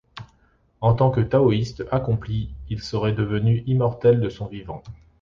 En tant que taoïste accompli, il serait devenu immortel de son vivant.